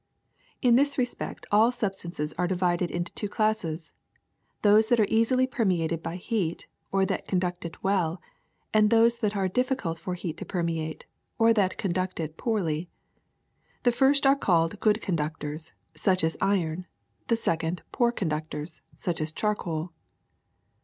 In this respect all substances are divided into two classes : those that are easily permeated by heat or that conduct it well, and those that are difficult for heat to permeate or that conduct it poorly. The first are called good conductors, such as iron; the second, poor conductors, such as charcoal.